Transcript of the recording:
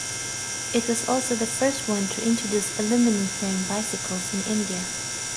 It was also the first one to introduce aluminum frame bicycles in India.